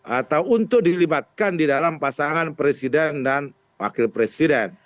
atau untuk dilibatkan di dalam pasangan presiden dan wakil presiden